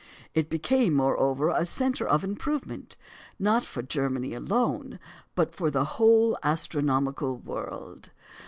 It became, moreover, a centre of improvement, not for Germany alone, but for the whole astronomical world.